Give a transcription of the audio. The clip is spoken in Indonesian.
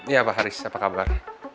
ya pak haris apa kabar